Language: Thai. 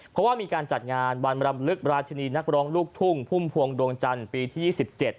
เพราะว่ามีการจัดงานวันรำลึกราชินีนักร้องลูกทุ่งพุ่มพวงดวงจันทร์ปีที่๒๗